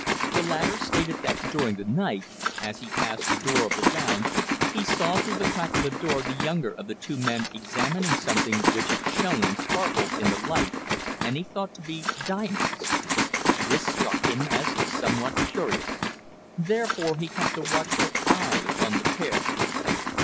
The latter stated that during the night, as he passed the door of the lounge, he saw through the crack of the door the younger of the two men examining something which shone and sparkled in the light, and he thought to be diamonds. This struck him as somewhat curious; therefore he kept a watchful eye upon the pair.